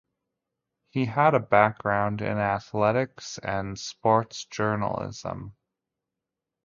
He had a background in athletics and sports journalism.